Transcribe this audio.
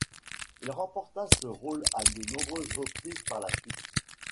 Il reprendra ce rôle à de nombreuses reprises par la suite.